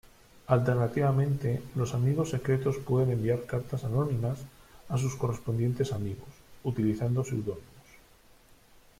Alternativamente, los amigos secretos pueden enviar cartas anónimas a sus correspondientes amigos, utilizando seudónimos.